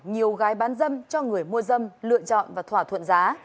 nhiều gái bán dâm cho người mua dâm lựa chọn và thỏa thuận giá